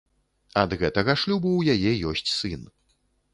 Ад гэтага шлюбу ў яе ёсць сын.